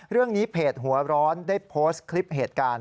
เรื่องนี้เพจหัวร้อนได้โพสต์คลิปเหตุการณ์